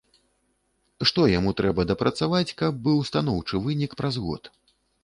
Што яму трэба дапрацаваць, каб быў станоўчы вынік праз год?